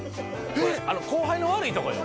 これ後輩の悪いとこよ